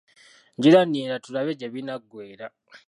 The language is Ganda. Ngira nninda tulabe gye binaggweera.